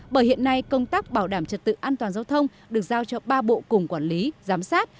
bởi hiện nay công tác bảo đảm trật tự an toàn giao thông được giao cho ba bộ cùng quản lý giám sát